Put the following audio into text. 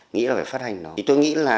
nghĩ là phải phát hành nó thì tôi nghĩ là